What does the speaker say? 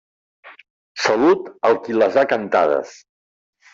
Salut al qui les ha cantades!